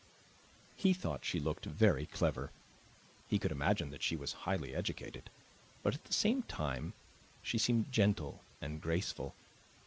He thought she looked very clever; he could imagine that she was highly educated; but at the same time she seemed gentle and graceful.